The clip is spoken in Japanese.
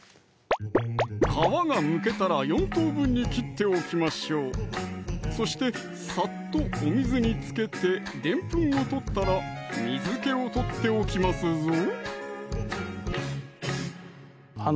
皮がむけたら４等分に切っておきましょうそしてサッとお水につけてでんぷんを取ったら水気を取っておきますぞ